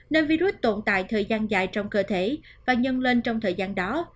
nơi virus tồn tại thời gian dài trong cơ thể và nhân lên trong thời gian đó